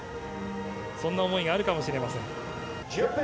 そんな思いがあるかもしれません。